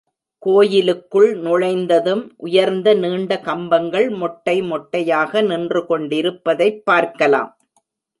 கோயிலுக்குள் நுழைந்ததும் உயர்ந்த நீண்ட கம்பங்கள் மொட்டை மொட்டையாக நின்று கொண்டிருப்பதைப் பார்க்கலாம்.